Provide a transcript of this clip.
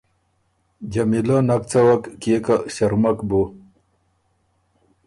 جمیلۀ نک څوَک، کيې که ݭرمک بُو۔